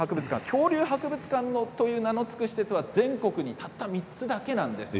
恐竜博物館と名の付く施設は全国にたった３つだけなんです。